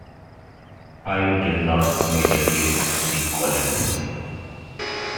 I did not immediately recollect.